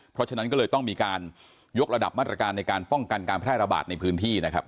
เพราะฉะนั้นก็เลยต้องมีการยกระดับมาตรการในการป้องกันการแพร่ระบาดในพื้นที่นะครับ